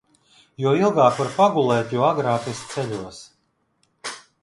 Jo ilgāk var pagulēt, jo agrāk es ceļos.